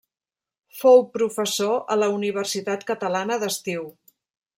Fou professor a la Universitat Catalana d'Estiu.